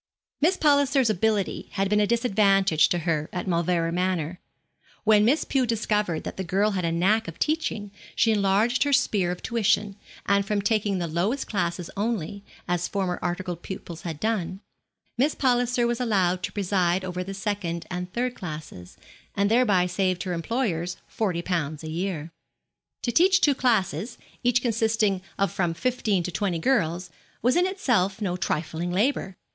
Miss Palliser's ability had been a disadvantage to her at Mauleverer Manor. When Miss Pew discovered that the girl had a knack of teaching she enlarged her sphere of tuition, and from taking the lowest class only, as former articled pupils had done, Miss Palliser was allowed to preside over the second and third classes, and thereby saved her employers forty pounds a year. To teach two classes, each consisting of from fifteen to twenty girls, was in itself no trifling labour.